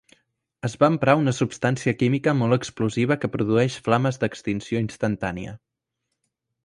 Es va emprar una substància química molt explosiva que produeix flames d'extinció instantània.